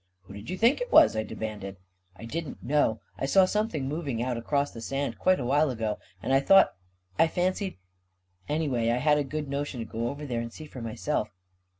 " Who did you think it was? " I demanded 14 1 didn't know — I saw something moving out across the sand quite a while ago — and I thought — I fancied — anyway, I had a good notion to go over there and see for myself."